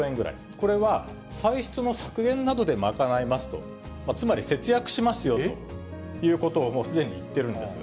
これは歳出の削減などで賄いますと、つまり、節約しますよということをもうすでに言っているんですが。